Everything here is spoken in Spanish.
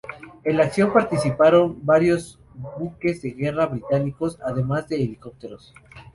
En la acción participaron varios buques de guerra británicos, además de helicópteros.